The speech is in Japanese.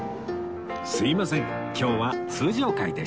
すいません今日は通常回でした